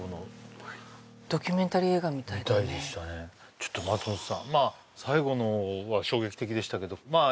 ちょっと松本さんまあ最後のは衝撃的でしたけどまあ